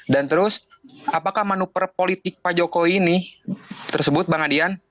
dan terus apakah manuper politik pak jokowi ini tersebut bang adian